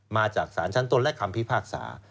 มาจากสารชั้นต้นและคำพิพากษา